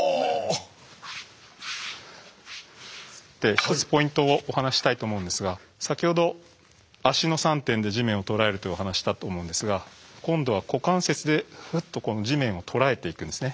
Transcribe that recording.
１つポイントをお話ししたいと思うんですが先ほど足の３点で地面を捉えるというお話したと思うんですが今度は股関節でぐっと地面を捉えていくんですね。